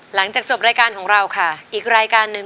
หลังจากจบรายการของเราค่ะ